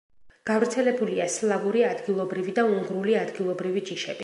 გავრცელებულია სლავური ადგილობრივი და უნგრული ადგილობრივი ჯიშები.